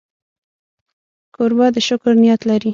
کوربه د شکر نیت لري.